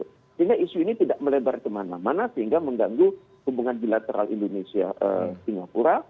sehingga isu ini tidak melebar kemana mana sehingga mengganggu hubungan bilateral indonesia singapura